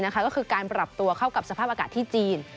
ก็คือการปรับตัวเข้ากับสภาพอากาศที่จีน